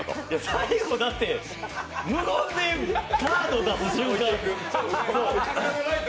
最後だって、無言でカード出す瞬間。